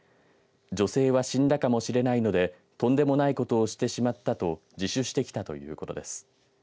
女性は死んだかもしれないのでとんでもないことをしてしまったと自首してきたということです。